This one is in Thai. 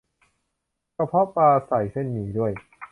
กระเพาะปลาใส่เส้นหมี่ด้วย